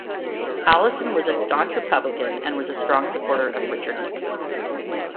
Allyson was a staunch Republican and was a strong supporter of Richard Nixon.